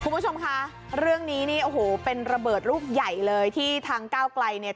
คุณผู้ชมคะเรื่องนี้นี่โอ้โหเป็นระเบิดลูกใหญ่เลยที่ทางก้าวไกลเนี่ย